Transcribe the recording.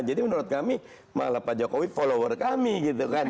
jadi menurut kami malah pak jokowi follower kami gitu kan